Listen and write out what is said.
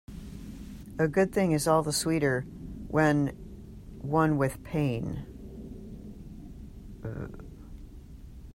A good thing is all the sweeter when won with pain.